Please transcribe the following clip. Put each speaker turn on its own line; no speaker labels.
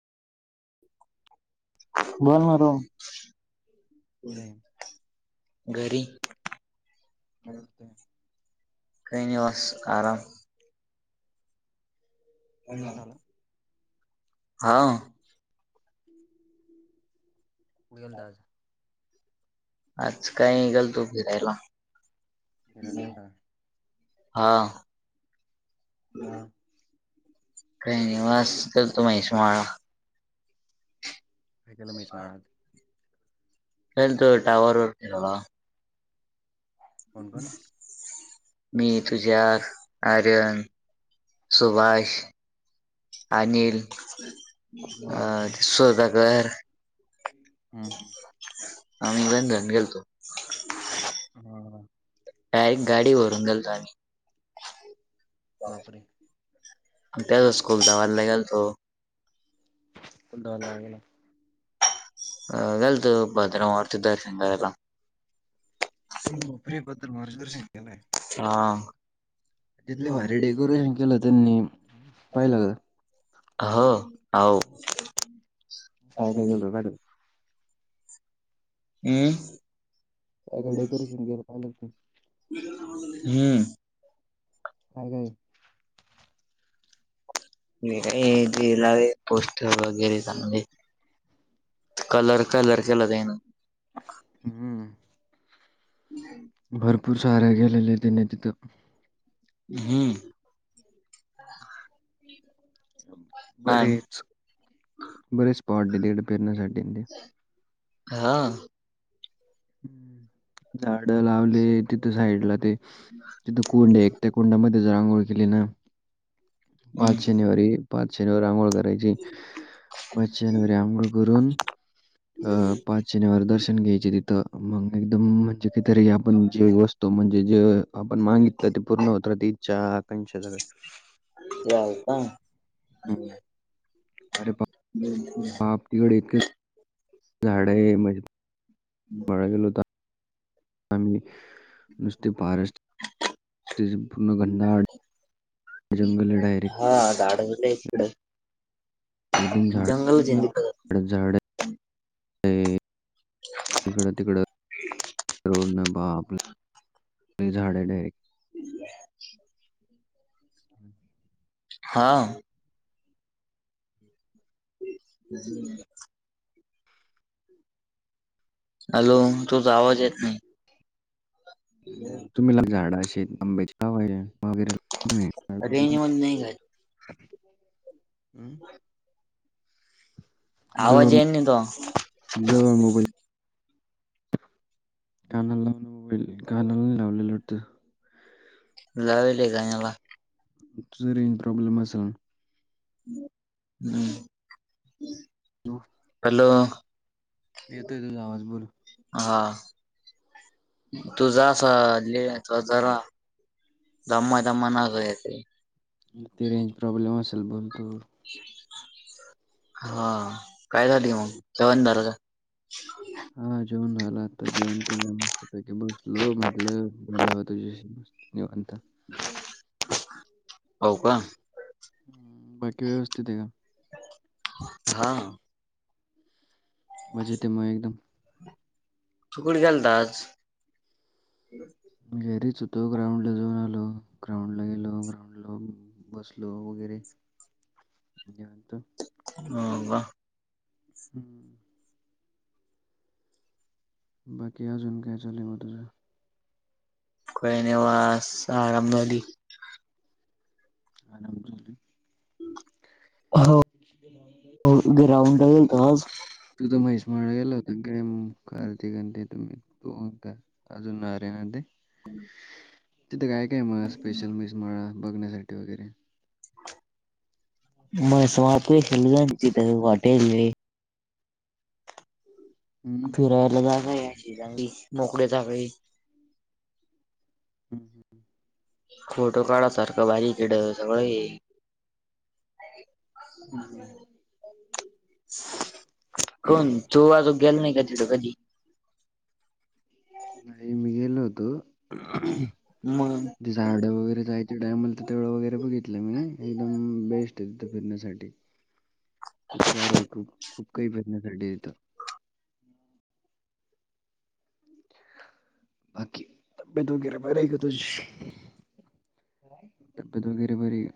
बोल मारो
पुढे
घरी.
काय करतोय
काही नाही बस आराम.
जेवण झाल?
हां.
कुठे गेलतास?
आज काय गेलतो फिरायला.
फिरायला गेलता का?
हां.
बोला
काय नाही नवास करतो महिशवाळा.
काय केल महीसमळात.
गेलतो टॉवर वरती थोडा.
कोण कोण?
मी तुझ्या आर्यन. सुभाष. अनिल अ
बापरे!
सौदागर. आम्ही [unintelligible] गेलतो.
हां
डायरेक्ट गाडीवरून गेलतो आम्ही.
बापरे!
तसच खुलताबादला गेलतो.
फंडाल आहे.
अ गेलते भद्रा वारच दरसन घ्यायला.
हम् प्रि बदर मार सिंगलाय.
हा.
तिथले भारी डेकोरेशन केलं त्यांनी. पाहिलं का?
[inaudible] हो आव.
साव का गेलो [unintelligible]
हम्म.
काय काय डेकोरेशन [unintelligible] पाहिल.
हम्म.
[inaudible] काय काय?
[unintelligible] त्याला वय पोस्टर वगैरे जामले. कलर कलर केला जा ना.
हम्म. [inaudible]
[unintelligible]
भरपूर सारे गेलेले तिने तिथं.
हम्म. आणि
बरेच, बरेच स्पॉट तिकडे फिरण्यासाठी ते.
हा.
ह, झाड लावले तिथं साईड ला ते तिथ कोंडे एकते. कोंडामध्ये ज्या रांगोळ केली ना, पाच शनिवारी. पाच शनिवारी आंघोळ करायची. पाच शनिवारी आंगुळ करून, अ पाच शनिवारी दर्शन घ्यायचे तिथं. मग एकदम म्हणजे काहीतरी आपण जे वस्तू म्हणजे जे आपण मागितलं ते पूर्ण होत तीच्या आकाांक्षा [unintelligible]
व्हय का?
हम्म. अरे प
[unintelligible]
आपल कडे एक झाडे आहे म्ह [unintelligible] काही नव्हता. हम् नुसते पार [unintelligible] तिजे पूर्ण गंडा
[inaudible] हा गाड होत नाही तिकड.
एकदम झाड झा झाड. [inaudible] इकड तिकड रोड न बा आपले झाडे डायरेक्ट.
[unintelligible] हा. हम्. हॅलो! तुझा आवाज येत नाही.
तुम्हीला झाडं, शेत आंब्याची [unintelligible] वगैरे.
रेंज मध्ये नाही काय
[unintelligible] [inaudible] हम् [inaudible]
आवाजे येन नाही तो.
जवळ मोबाईल काना लावईल, कानाल लावल येतो.
लावलेय का याला?
तुझ रेंज प्रॉब्लेम असल.
हम्म
हो
हॅलो
येतोय तुझा आवाज बोल.
हां तुझा असा [unintelligible] जरा दम्मा दम्मान येतोय.
ते रेंज प्रॉब्लेम असेल बोल तू.
हां काय झाली मग जेवण झाल का?
हा जेवण झाल आत्ता जेवण केल मस्त पैकी बसलो म्हंटल बोलाव तुझ्याशी मस्त. निवांत.
हो का?
बाकी व्यवस्थित आहे का?
हां
मजेतय मग एकदम.
तू कुठ गेलता आज?
घरीच होतो ग्राउंड ला जाऊन आलो ग्राउंडला गेलो [unintelligible] ल बसलो वगैरे निवांत.
हो का.
हम्म बाकी अजून काय चालू आहे मग तुझ?
काही नाही बास आराम मधी
[unintelligible]
हो हो ग्राउंडला गेलतो आज.
तुझ म्हैसमाळला गेला होता काय मग अर्ध्या घंट्यात येतो मी. हो का अजून [unintelligible] ना ते तिथ काय काय मग स्पेशल म्हैसमाळला बघण्यासाठी वगैरे.
[unintelligible] [unintelligible] आहे
हम्म.
फिरायला जाात शिजा [unintelligible] मोकळेचाकळे
हम्म
फोटो काढायसारखं भारी आहे तीथ सगळ आहे.
हम्म, हम्म.
कोण तु आजूक गेला नाही का ती त्या [unintelligible]
नाही मी गेलो होतो.
मग
ति झाड वगैरे जायच्या टायमला तर तेवढ वगैरे बघितल मी एकदम बेस्ट आहे तिथे फिरण्यासाठी. खूप सार आहे खूप खूप काही भीरण्यासाठी आहे तिथं. [inaudible] बाकी तब्येत वगैर बरी आहे का तुझी? तब्येत वगैरे बरीये.